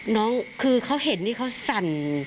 น้องคือเขาเห็นนี่เขาสั่น